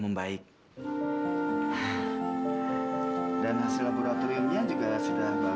ini yang akan kututup semua lalutan ibu